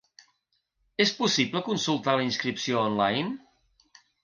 És possible consultar la inscripció online?